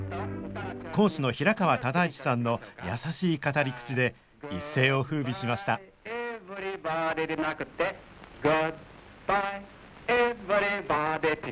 講師の平川唯一さんの優しい語り口で一世をふうびしました「グッバイエヴリバディ」